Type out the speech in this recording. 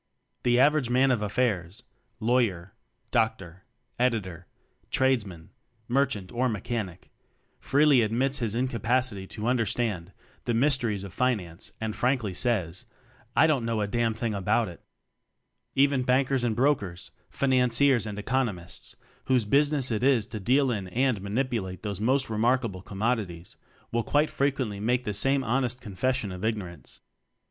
The average man of affairs Law yer, Doctor, Editor, Tradesman, Mer chant or Mechanic freely admits his incapacity to understand the "mys teries of finance," and frankly says: "I don't know a damn thing about it." Even Bankers and Brokers, Financiers and Economists, whose business it is to deal in and mani pulate these most remarkable com modities, will quite frequently make the same honest confession of ignor ance.